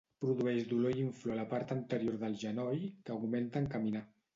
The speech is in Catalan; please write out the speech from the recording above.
Produeix dolor i inflor a la part anterior del genoll que augmenta en caminar.